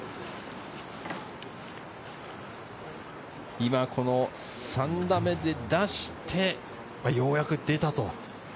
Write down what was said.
今この３打目で出して、ようやく出たと。